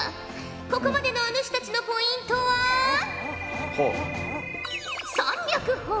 ここまでのお主たちのポイントは３００ほぉ。